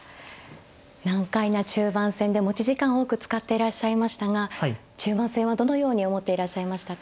難解な中盤戦で持ち時間を多く使っていらっしゃいましたが中盤戦はどのように思っていらっしゃいましたか。